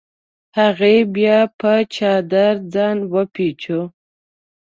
هغې بیا په څادر ځان وپیچوه.